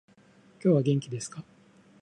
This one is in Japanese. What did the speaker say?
今日は元気ですか？